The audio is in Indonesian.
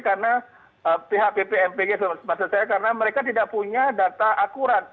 karena pihak bpmpg maksud saya karena mereka tidak punya data akurat